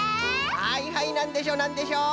はいはいなんでしょうなんでしょう？